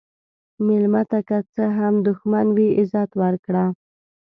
مېلمه ته که څه هم دښمن وي، عزت ورکړه.